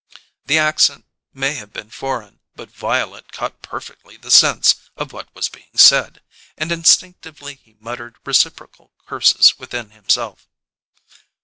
The accent may have been foreign, but Violet caught perfectly the sense of what was being said, and instinctively he muttered reciprocal curses within himself.